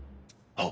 あっ！